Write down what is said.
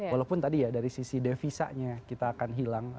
walaupun tadi ya dari sisi devisanya kita akan hilang